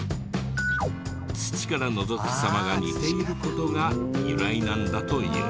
土からのぞく様が似ている事が由来なんだという。